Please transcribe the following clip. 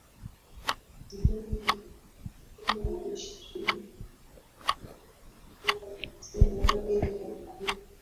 Zidane alifanikiwa kushinda kombe la dunia akiwa na timu yake ya taifa